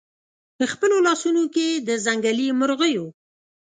خپلو لاسونو کې د ځنګلي مرغیو